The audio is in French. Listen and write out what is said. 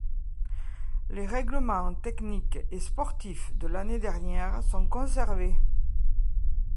Les règlements techniques et sportifs de l'année dernière sont conservés.